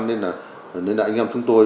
nên là anh em chúng tôi